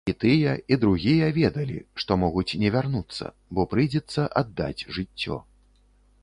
І тыя, і другія ведалі, што могуць не вярнуцца, бо прыйдзецца аддаць жыццё.